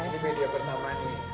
ini media pertama nih